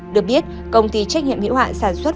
được biết công ty trách nhiệm hiệu hạn sản xuất